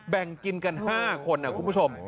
แบ่งกินกัน๕คนคุณผู้ชม